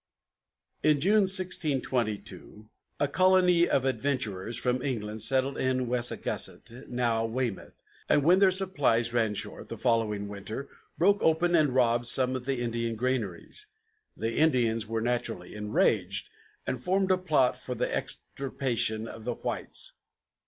In June, 1622, a colony of adventurers from England settled at Wessagusset, now Weymouth, and when their supplies ran short, the following winter, broke open and robbed some of the Indian granaries. The Indians were naturally enraged, and formed a plot for the extirpation of the whites.